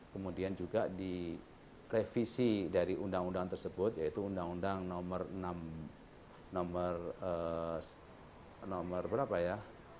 kemudian juga direvisi dari undang undang tersebut yaitu undang undang nomor berapa ya